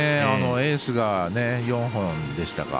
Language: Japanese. エースが４本でしたか。